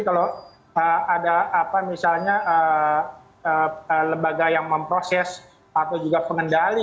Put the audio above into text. kalau ada apa misalnya lembaga yang memproses atau juga pengendali